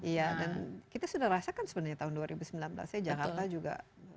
iya dan kita sudah rasakan sebenarnya tahun dua ribu sembilan belas ya jakarta juga